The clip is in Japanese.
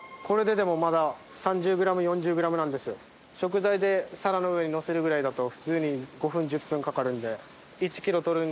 食材で皿の上にのせるぐらいだと普通に５分１０分かかるんで。